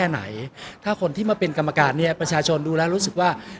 ไหนถ้าคนที่มาเป็นกรรมการเนี่ยประชาชนดูแล้วรู้สึกว่า